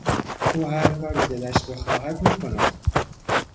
او هر کاری دلش بخواهد میکند.